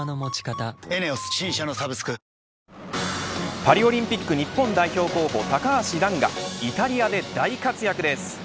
パリオリンピック日本代表候補、高橋藍がイタリアで大活躍です。